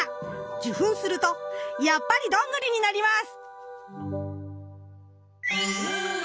受粉するとやっぱりドングリになります。